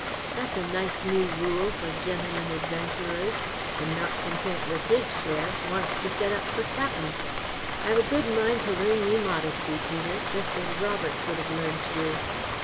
That's a nice new rule for gentlemen adventurers, and not content with his share, wants to set up for cap'en. I have a good mind to learn you modesty, Peter, just as Roberts would have learnt you."